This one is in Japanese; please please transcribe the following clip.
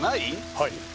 はい。